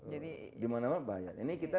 jadi gimana mana bayar ini kita